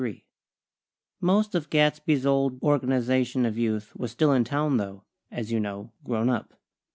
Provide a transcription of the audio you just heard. XXXIII Most of Gadsby's old Organization of Youth was still in town, though, as you know, grown up.